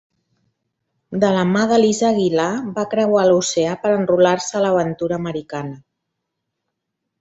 De la mà d'Elisa Aguilar, va creuar l'oceà per enrolar-se en l'aventura americana.